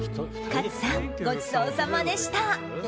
勝さん、ごちそうさまでした！